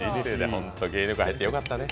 ほんと芸能界入ってよかったね。